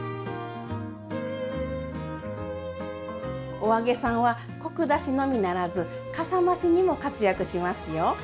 お揚げさんはコク出しのみならずかさ増しにも活躍しますよ。